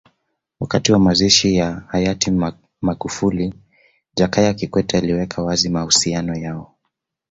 Wakati wa mazishi ya hayati Magufuli Jakaya Kikwete aliweka wazi mahusiano yao